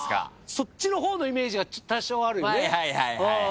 そっちの方のイメージが多少あるよね。